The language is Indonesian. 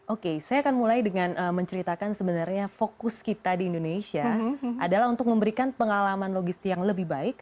oke saya akan mulai dengan menceritakan sebenarnya fokus kita di indonesia adalah untuk memberikan pengalaman logistik yang lebih baik